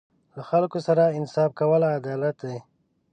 له خلکو سره انصاف کول عدالت دی.